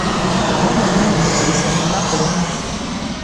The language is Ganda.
Bbomu nnnnyingi zatulise mu lunnaku lumu.